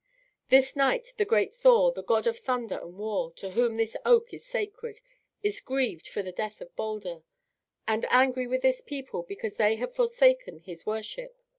This night the great Thor, the god of thunder and war, to whom this oak is sacred, is grieved for the death of Baldur, and angry with this people because they have forsaken his worship.